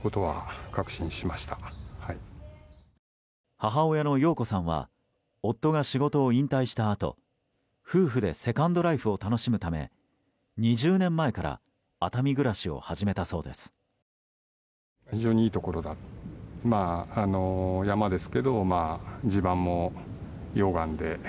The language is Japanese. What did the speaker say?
母親の陽子さんは夫が仕事を引退したあと夫婦でセカンドライフを楽しむため２０年前から熱海暮らしを始めたそうです。